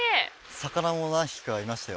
魚も何匹かいましたよ。